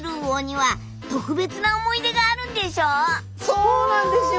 そうなんですよ